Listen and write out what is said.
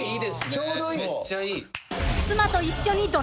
ちょうどいい。